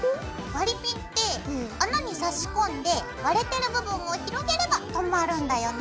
割りピンって穴に差し込んで割れてる部分を広げればとまるんだよね。